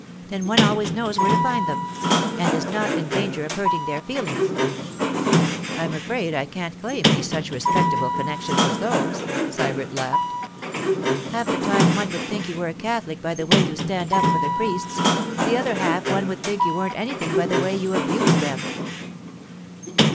Then one always knows where to find them, and is not in danger of hurting their feelings.' 'I'm afraid I can't claim any such respectable connexions as those,' Sybert laughed. 'Half the time one would think you were a Catholic by the way you stand up for the priests; the other half one would think you weren't anything by the way you abuse them.